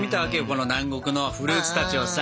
この南国のフルーツたちをさ。